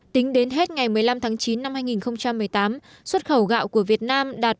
tính đến hết ngày một mươi năm tháng chín năm hai nghìn một mươi tám xuất khẩu gạo của việt nam đạt